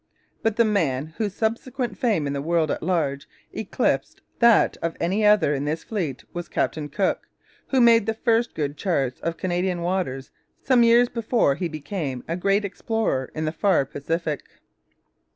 But the man whose subsequent fame in the world at large eclipsed that of any other in this fleet was Captain Cook, who made the first good charts of Canadian waters some years before he became a great explorer in the far Pacific.